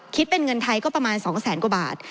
คิดเป็นเงินไทยก็ประมาณ๒แสนกว่าบาท